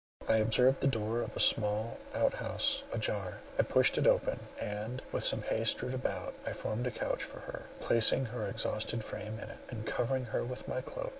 I observed the door of a small out house a jar. I pushed it open; and, with some hay strewed about, I formed a couch for her, placing her exhausted frame on it, and covering her with my cloak.